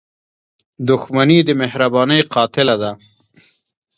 • دښمني د مهربانۍ قاتله ده.